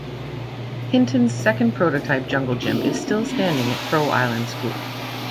Hinton's second prototype jungle gym is still standing at Crow Island School.